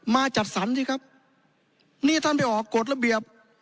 มาจัดสรรสิครับนี่ท่านไปออกกฎระเบียบ